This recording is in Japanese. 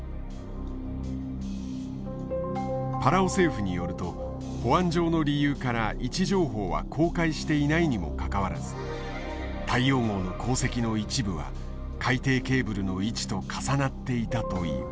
パラオ政府によると保安上の理由から位置情報は公開していないにもかかわらず大洋号の航跡の一部は海底ケーブルの位置と重なっていたという。